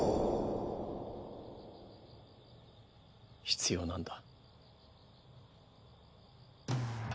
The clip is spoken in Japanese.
必要なんだ。